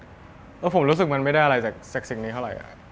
แล้วผมรู้สึกมันไม่ได้อะไรจากสิ่งนี้เท่าไหร่